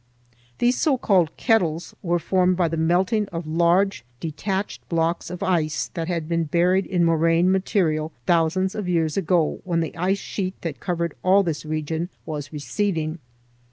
These so called "kettles" were formed by the melting of large detached blocks of ice that had been buried in moraine material thousands of years ago when the ice sheet that covered all this region was receding.